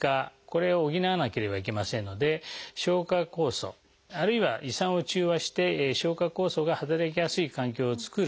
これを補わなければいけませんので消化酵素あるいは胃酸を中和して消化酵素が働きやすい環境を作る制酸剤。